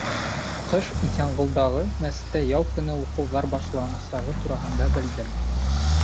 Ҡыш Иҫәнғолдағы мәсеттә ял көнө уҡыуҙар башланасағы тураһында белдем.